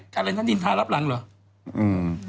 แถลงท่านนินทารับรังเหรอ